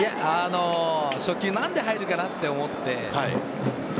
初球、何で入るかなと思って。